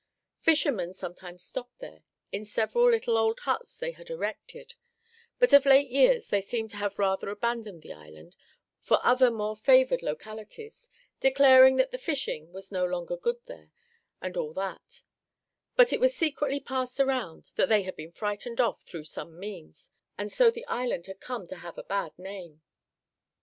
Fishermen sometimes stopped there, in several little old huts they had erected; but of late years they seemed to have rather abandoned the island for other more favored localities; declaring that the fishing was no longer good there, and all that; but it was secretly passed around that they had been frightened off through some means; and so the island had come to have a bad name.